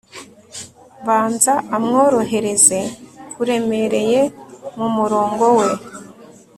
banza amworohereze kuremereye mumurongo we